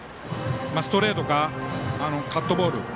ストレートかカットボール。